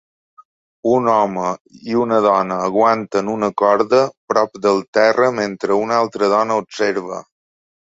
Un home i una dona aguanten una corda prop del terra mentre una altra dona observa.